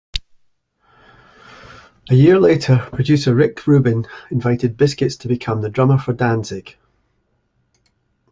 A year later, producer Rick Rubin invited Biscuits to become the drummer for Danzig.